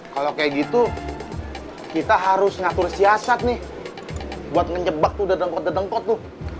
kalau kayak gitu kita harus ngatur siasat nih buat ngejebak tuh dadengkot dadengkot tuh